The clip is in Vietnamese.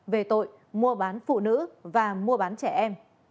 về tội mua bán phụ nữ và mua bán trẻ em